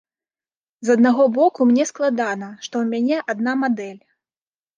З аднаго боку мне складана, што ў мяне адна мадэль.